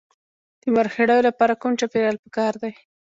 د مرخیړیو لپاره کوم چاپیریال پکار دی؟